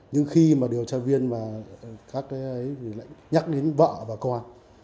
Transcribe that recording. nhưng khi mà điều tra viên mà các cái ấy lại nhắc đến vợ và con